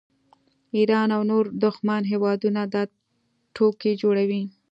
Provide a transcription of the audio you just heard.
ایران او نور دښمن هیوادونه دا ټوکې جوړوي